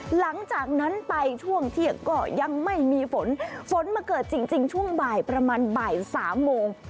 หลังจากนั้นไปช่วงเที่ยงก็ยังไม่มีฝนฝนมาเกิดจริงช่วงบ่ายประมาณบ่ายสามโมง